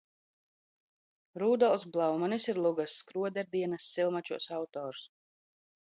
R?dolfs Blaumanis ir lugas "Skroderdienas Silma?os" autors.